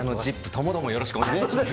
ともどもよろしくお願いします。